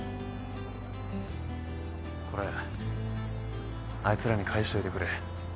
これあいつらに返しといてくれ。